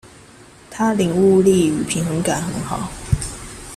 他領悟力與平衡感很好